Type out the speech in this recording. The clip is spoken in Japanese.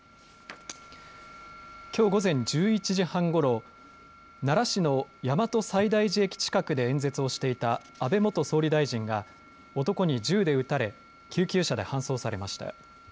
きょう午前１１時半ごろ、奈良市の大和西大寺駅近くで演説をしていた安倍元総理大臣が男に銃で撃たれ救急車で搬送されました。